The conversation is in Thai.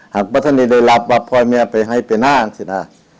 หากพระทนิดเลยรับพรณ์มันยังไงไปหน้า